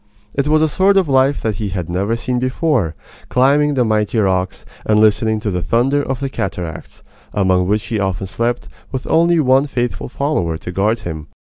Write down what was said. It was a sort of life that he had never seen before, climbing the mighty rocks, and listening to the thunder of the cataracts, among which he often slept, with only one faithful follower to guard him.